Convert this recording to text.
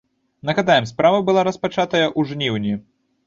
Нагадаем, справа была распачатая ў жніўні.